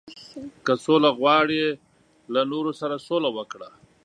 • که سوله غواړې، له نورو سره سوله وکړه.